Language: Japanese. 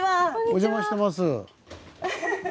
お邪魔してます。